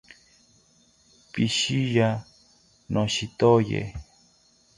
Pishiya, noshitoye